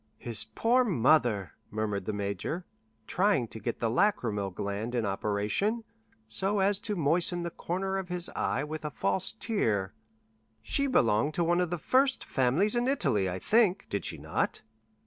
"His poor mother," murmured the major, trying to get the lachrymal gland in operation, so as to moisten the corner of his eye with a false tear. "She belonged to one of the first families in Italy, I think, did she not?"